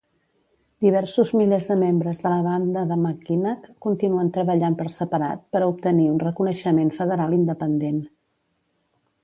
Diversos milers de membres de la banda de Mackinac continuen treballant per separat per a obtenir un reconeixement federal independent.